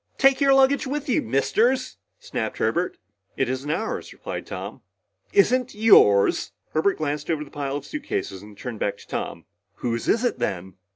"Take your luggage with you, Misters!" snapped Herbert. "It isn't ours," replied Tom. "Isn't yours?" Herbert glanced over the pile of suitcases and turned back to Tom. "Whose is it then?"